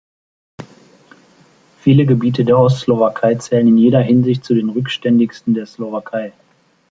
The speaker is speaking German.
Viele Gebiete der Ostslowakei zählen in jeder Hinsicht zu den rückständigsten der Slowakei.